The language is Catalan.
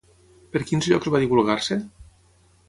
Per quins llocs va divulgar-se?